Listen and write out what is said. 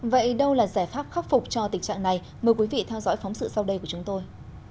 vậy đâu là giải pháp khắc phục cho tình trạng này mời quý vị theo dõi phóng sự sau đây của chúng tôi